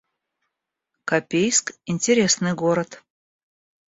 Копейск — интересный город